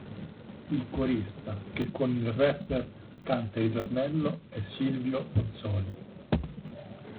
Il corista che con il rapper canta il ritornello è Silvio Pozzoli.